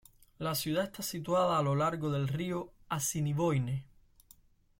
La ciudad está situada a lo largo del río Assiniboine.